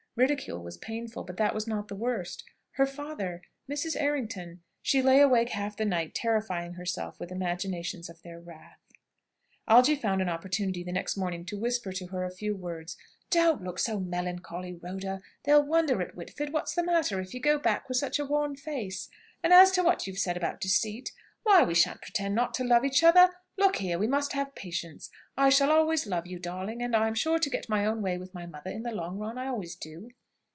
Ridicule was painful, but that was not the worst. Her father! Mrs. Errington! She lay awake half the night, terrifying herself with imaginations of their wrath. Algy found an opportunity the next morning to whisper to her a few words. "Don't look so melancholy, Rhoda. They'll wonder at Whitford what's the matter if you go back with such a wan face. And as to what you said about deceit, why we shan't pretend not to love each other! Look here, we must have patience! I shall always love you, darling, and I'm sure to get my own way with my mother in the long run; I always do."